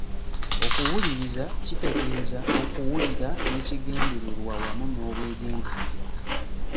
Okuwuliriza kitegeeza okuwulira n’ekigendererwa wamu n’obwegendereza.